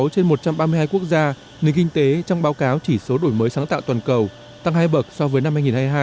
một mươi trên một trăm ba mươi hai quốc gia nền kinh tế trong báo cáo chỉ số đổi mới sáng tạo toàn cầu tăng hai bậc so với năm hai nghìn hai mươi hai